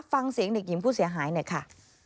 ฟังเสียงเด็กหญิงผู้เสียหายหน่อยค่ะ